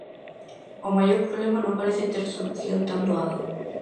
O maior problema non parece ter solución tan doada.